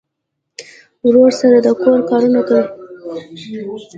ورور سره د کور کارونه کوي.